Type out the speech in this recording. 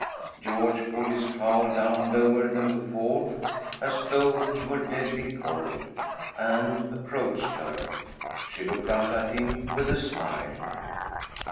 George pulled his cowl down lower than before, as though he were deadly cold, and approached her. She looked up at him with a smile.